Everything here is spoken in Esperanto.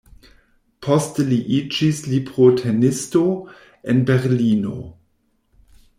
Poste li iĝis librotenisto en Berlino.